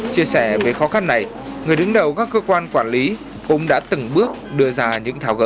chia sẻ về khó khăn này người đứng đầu các cơ quan quản lý cũng đã từng bước đưa ra những thảo gỡ